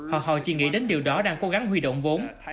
họ chỉ nghĩ đến điều đó đang cố gắng huy động vốn